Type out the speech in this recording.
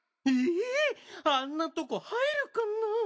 えあんなとこ入るかな？